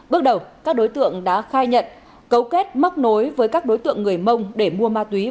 bước đầu các đối tượng đã khai nhận cấu kết mắc nối với các đối tượng người mông để mua ma túy